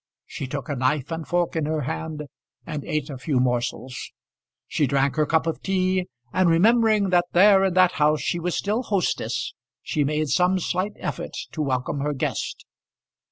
She took a knife and fork in her hand and ate a few morsels. She drank her cup of tea, and remembering that there in that house she was still hostess, she made some slight effort to welcome her guest.